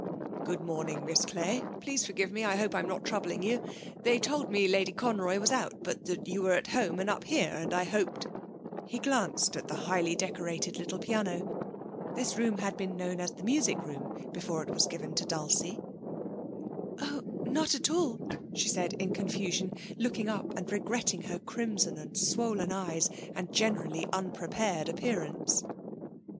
'Good morning, Miss Clay. Please forgive me. I hope I'm not troubling you? They told me Lady Conroy was out but that you were at home and up here; and I hoped ' He glanced at the highly decorated little piano. This room had been known as the music room before it was given to Dulcie. 'Oh, not at all,' she said in confusion, looking up and regretting her crimson and swollen eyes and generally unprepared appearance.